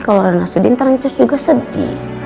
kalau njus sedih nanti njus juga sedih